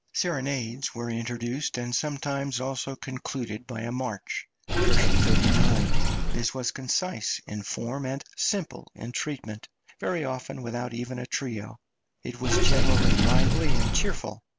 Serenades were introduced and sometimes also concluded by a march (39, K.). This was concise in form and simple in treatment, very often without even a trio; it was generally lively and cheerful.